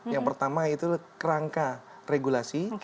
yang pertama itu kerangka regulasi